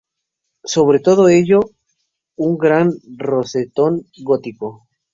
Sobre todo ello, un gran rosetón gótico.